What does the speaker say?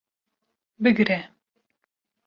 Bigire